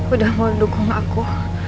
udah mau dukung aku